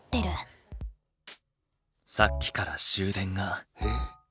さっきから終電が。